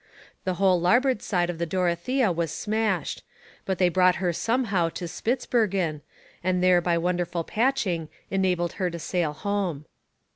The whole larboard side of the Dorothea was smashed, but they brought her somehow to Spitzbergen, and there by wonderful patching enabled her to sail home.